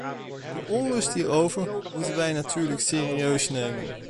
De onrust hierover moeten wij natuurlijk serieus nemen.